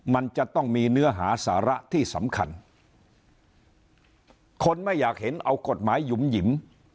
มันจะต้องมีเนื้อหาสาระที่สำคัญคนไม่อยากเห็นเอากฎหมายหยุมหยิม